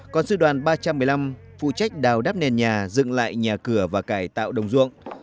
còn sư đoàn ba trăm một mươi năm phụ trách đào đắp nền nhà dựng lại nhà cửa và cải tạo đồng ruộng